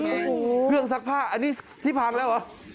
โอ้โหเครื่องซักผ้าอันนี้ที่พังแล้วเหรอ